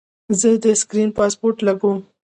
زه د سکرین پاسورډ لګوم.